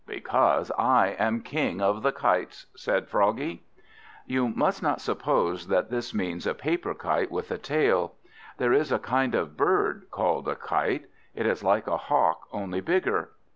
"Because I am King of the Kites," said Froggie. You must not suppose that this means a paper kite with a tail. There is a kind of bird called a Kite; it is like a Hawk, only bigger.